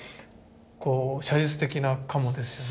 こう写実的な鴨ですね。